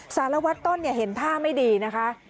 สารวัตรต้นเห็นท่าไม่ดีนะคะ